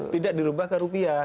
tidak dirubah ke rupiah